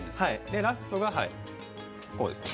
でラストがこうですね。